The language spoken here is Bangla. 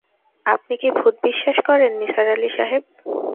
আপনি কি ভূত বিশ্বাস করেন নিসার আলি সাহেব?